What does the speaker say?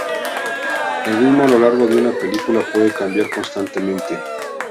El ritmo a lo largo de una película puede cambiar constantemente.